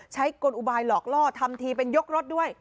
กลอุบายหลอกล่อทำทีเป็นยกรถด้วย